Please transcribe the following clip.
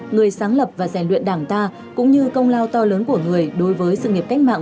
người sáng lập và rèn luyện đảng ta cũng như công lao to lớn của người đối với sự nghiệp cách mạng